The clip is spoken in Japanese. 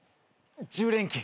１０連勤。